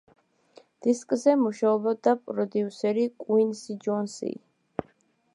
დისკზე მუშაობდა პროდიუსერი კუინსი ჯონსი.